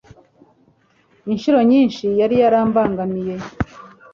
inshuro nyinshi yari yarambangamiye